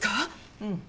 うん。